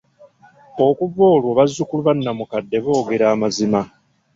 Okuva olwo bazukulu banamukadde boogera amazima.